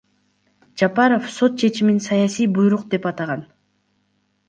Жапаров сот чечимин саясий буйрук деп атаган.